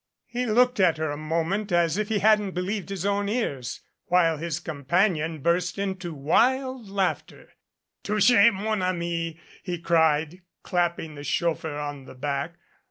He looked at her a moment as if he hadn't believed his own ears, while his companion burst into wild laughter. 160 DANGER "Touclie, mon ami," he cried, clapping the chauffeur on the back.